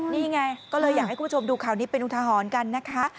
นี่ไงก็เลยอยากให้คุณผู้ชมดูข่าวนี้เป็นอุทหรณ์กันนะคะ